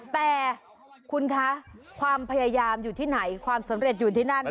แต่คุณคะความพยายามอยู่ที่ไหนความสำเร็จอยู่ที่นั่น